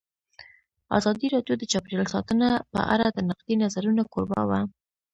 ازادي راډیو د چاپیریال ساتنه په اړه د نقدي نظرونو کوربه وه.